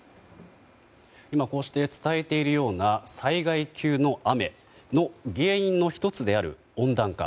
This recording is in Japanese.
今、こうして伝えているような災害級の雨の原因の１つである温暖化。